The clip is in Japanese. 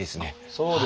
そうですか。